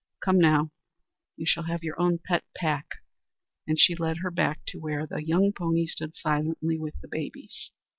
"Come, now, you shall have your own pet pack," and she led her back to where the young pony stood silently with the babies.